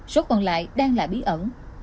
số còn lại đang là bí ẩn